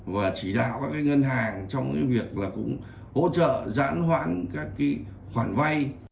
và chỉ đạo các ngân hàng trong việc hỗ trợ giãn hoãn các khoản vay